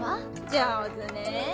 上手ねぇ！